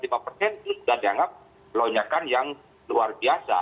itu sudah dianggap lonjakan yang luar biasa